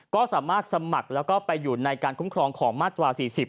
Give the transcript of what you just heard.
ก็สามารถสมัครแล้วก็ไปอยู่ในการคุ้มครองของมาตรา๔๐